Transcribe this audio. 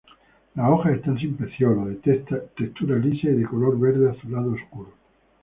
Las hojas están sin pecíolo, de textura lisa y de color verde azulado oscuro.